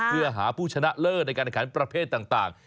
เพื่อหาผู้ชนะเลิศในการแข่งขันประเภทต่าง